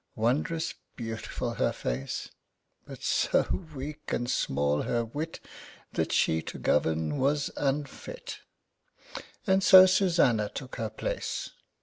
Wondrous beautiful her face! But so weak and small her wit, That she to govern was unfit, And so Susanna took her place.